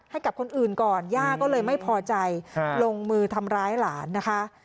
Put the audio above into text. ให้กับคนอื่นก่อนย่าก็เลยไม่พอใจลงมือทำร้ายหลานนะคะ